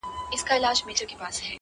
چاته د دار خبري ډيري ښې دي ـ